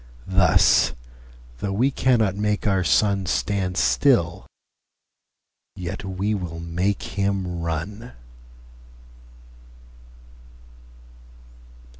Thus, though we cannot make our SunStand still, yet we will make him run.